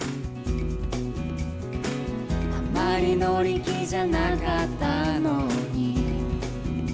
「あんまり乗り気じゃなかったのに」